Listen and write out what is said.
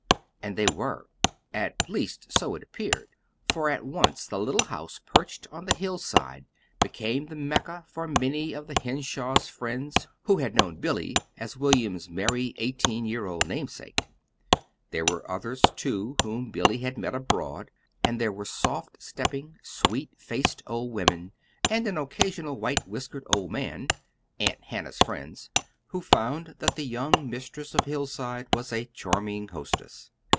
And they were at least, so it appeared. For at once the little house perched on the hillside became the Mecca for many of the Henshaws' friends who had known Billy as William's merry, eighteen year old namesake. There were others, too, whom Billy had met abroad; and there were soft stepping, sweet faced old women and an occasional white whiskered old man Aunt Hannah's friends who found that the young mistress of Hillside was a charming hostess.